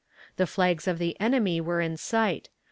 The flags of the enemy were in sight.